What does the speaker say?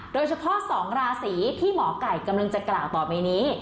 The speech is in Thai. โดยเฉพาะ๒ราศีที่หมอไก่กำลังจะกล่าวต่อไปนี้